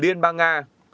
liên bang nga